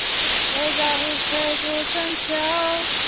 隆吻海蠋鱼的图片